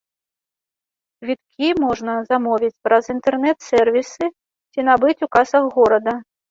Квіткі можна замовіць праз інтэрнэт-сэрвісы ці набыць у касах горада.